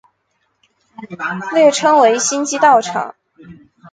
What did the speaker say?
略称为新机场道。